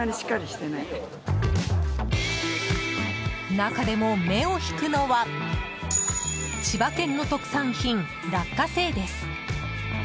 中でも目を引くのは千葉県の特産品・落花生です。